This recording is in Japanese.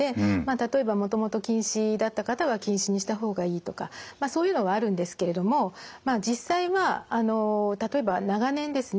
例えばもともと近視だった方は近視にした方がいいとかそういうのはあるんですけれどもまあ実際はあの例えば長年ですね